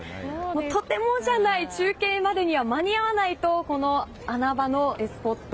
とてもじゃないですが中継までには間に合わないとこの穴場のスポット